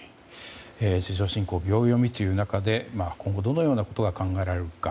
地上侵攻が秒読みという中で今後どのようなことが考えられるか。